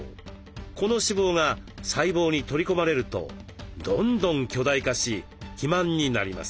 この脂肪が細胞に取り込まれるとどんどん巨大化し肥満になります。